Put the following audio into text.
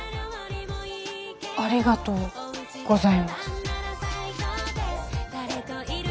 ありがとうございます。